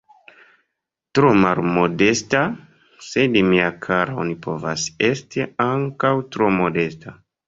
Tro malmodesta? Sed mia kara, oni povas esti ankaŭ tro modesta.